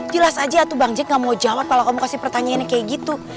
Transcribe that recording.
jelas aja tuh bang jack gak mau jawab kalau kamu kasih pertanyaannya kayak gitu